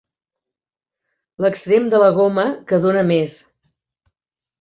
L'extrem de la goma que dóna més.